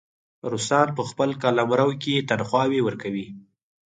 روسان په خپل قلمرو کې تنخواوې ورکوي.